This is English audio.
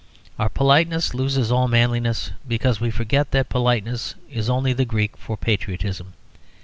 Our politeness loses all manliness because we forget that politeness is only the Greek for patriotism.